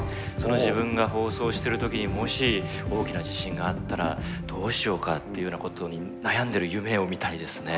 自分が放送している時にもし大きな地震があったらどうしようかっていうようなことに悩んでる夢を見たりですね